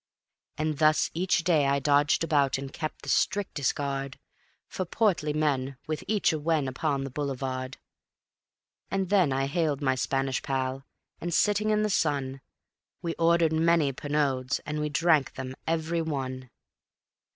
And thus each day I dodged about and kept the strictest guard For portly men with each a wen upon the Boulevard. And then I hailed my Spanish pal, and sitting in the sun, We ordered many Pernods and we drank them every one.